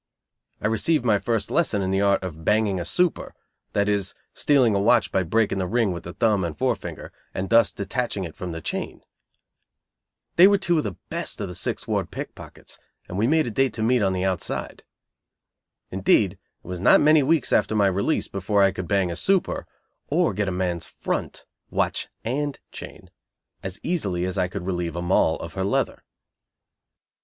I received my first lesson in the art of "banging a super," that is, stealing a watch by breaking the ring with the thumb and forefinger, and thus detaching it from the chain. They were two of the best of the Sixth Ward pickpockets, and we made a date to meet "on the outside." Indeed, it was not many weeks after my release before I could "bang a super," or get a man's "front" (watch and chain) as easily as I could relieve a Moll of her "leather".